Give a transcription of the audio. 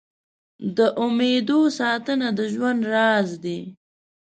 د امېدو ساتنه د ژوند راز دی.